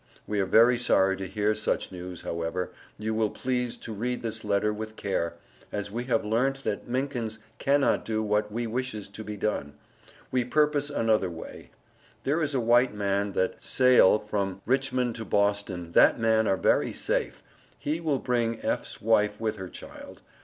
We are very sorry to hear Such News, however, you will please to read this letter with care, as we have learnt that Minkens Cannot do what we wishes to be done; we perpose another way. There is a white man that Sale from Richmond to Boston, that man are very Safe, he will bring F's wife with her child.